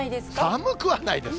寒くはないです。